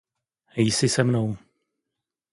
Jsi se mnou.